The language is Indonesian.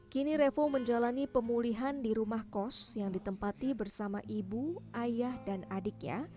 kini revo menjalani pemulihan di rumah kos yang ditempati bersama ibu ayah dan adiknya